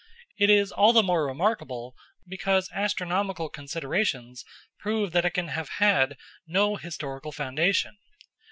It is all the more remarkable because astronomical considerations prove that it can have had no historical foundation.